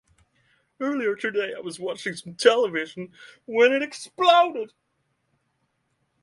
Earlier today I was watching some television when it exploded!